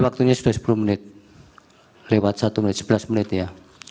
waktunya sudah sepuluh menit lewat satu menit sebelas menit ya